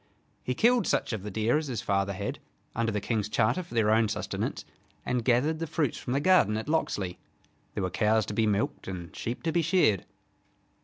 He killed such of the deer as his father had, under the King's charter, for their own sustenance, and gathered the fruits from the garden at Locksley. There were cows to be milked and sheep to be sheared.